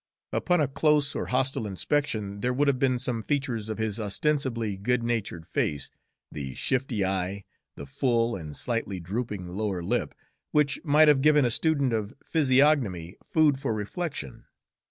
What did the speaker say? Upon a close or hostile inspection there would have been some features of his ostensibly good natured face the shifty eye, the full and slightly drooping lower lip which might have given a student of physiognomy food for reflection.